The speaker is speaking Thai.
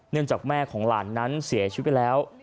จากแม่ของหลานนั้นเสียชีวิตไปแล้ว